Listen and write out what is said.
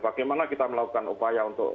bagaimana kita melakukan upaya untuk